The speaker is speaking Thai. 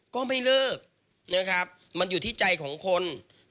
ก็ไม่เลิกมันอยู่ที่ใจของคน